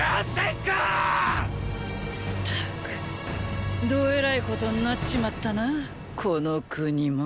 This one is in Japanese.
ったくどえらいことになっちまったなァこの国も。